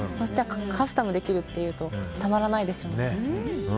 カスタムできるっていうとたまらないでしょうね。